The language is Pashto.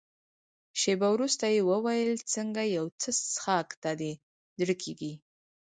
شېبه وروسته يې وویل: څنګه یو څه څیښاک ته دې زړه کېږي؟